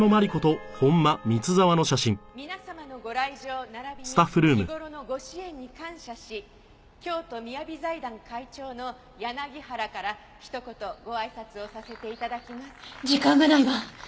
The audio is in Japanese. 「皆様のご来場並びに日頃のご支援に感謝し京都みやび財団会長の柳原からひと言ご挨拶をさせて頂きます」時間がないわ！